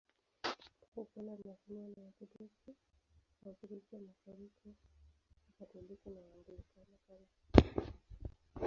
Tangu kale anaheshimiwa na Waorthodoksi, Waorthodoksi wa Mashariki, Wakatoliki na Waanglikana kama mtakatifu.